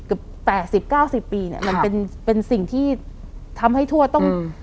เกือบแปดสิบเก้าสิบปีเนี้ยครับมันเป็นเป็นสิ่งที่ทำให้ทวดต้อง